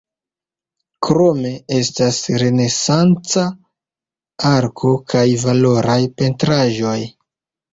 Krome estas renesanca arko kaj valoraj pentraĵoj.